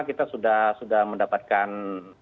kita sudah mendapatkan